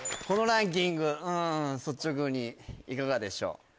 このランキング率直にいかがでしょう？